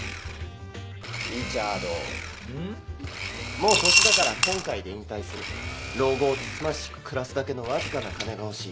「もう年だから今回で引退する」「老後をつつましく暮らすだけのわずかな金が欲しい」